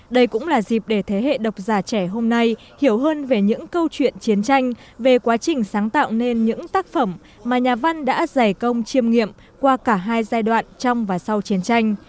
đây cũng là dịp để thế hệ độc giả trẻ hôm nay hiểu hơn về những câu chuyện chiến tranh về quá trình sáng tạo nên những tác phẩm mà nhà văn đã giải công chiêm nghiệm qua cả hai giai đoạn trong và sau chiến tranh